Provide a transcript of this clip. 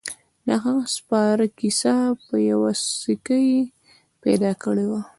د هغه سپاره کیسه چې یوه سکه يې پیدا کړې وه.